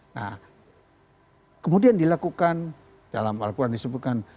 nah kemudian dilakukan dalam alquran disebutkan